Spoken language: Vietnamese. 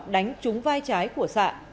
đánh trúng vai trái của xạ